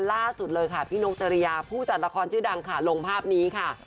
ล่าสุดเลยค่ะพี่นกจริยาผู้จัดละครชื่อดังค่ะลงภาพนี้ค่ะ